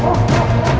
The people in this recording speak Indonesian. hai ibu nah